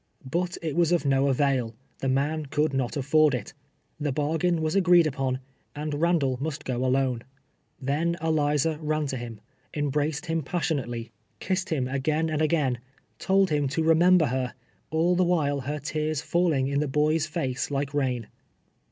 But it was of no avail ; the man could not afford it. The bargain was agreed upon, and Randall must go alone. Then Eli z<i ran to him ; embraced him passionately ; kissed 82 T\YELVE YEARS A SLAVE. him again aiicl again; told him to rememher her —■ all the Avhile her tears falling in the hoy's face like rain.